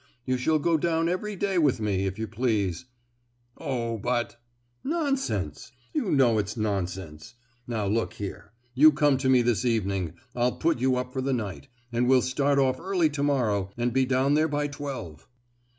You shall go down every day with me, if you please." "Oh, but——" "Nonsense! You know it's nonsense! Now look here: you come to me this evening—I'll put you up for the night—and we'll start off early to morrow and be down there by twelve."